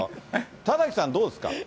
田崎さん、どうですか？